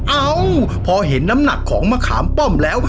เอ้าพอเห็นน้ำหนักของมะขามป้อมแล้ว